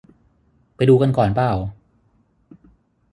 ไปดูกันก่อนป่าว